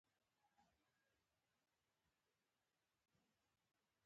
کوتره د ماشوم لاس نه ډارېږي.